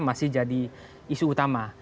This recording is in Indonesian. masih jadi isu utama